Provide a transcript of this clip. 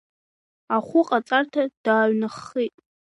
Ахәыҟаҵарҭа дааҩнаххит.